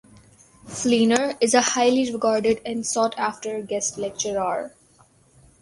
Fleener is a highly regarded and sought after guest lecturer.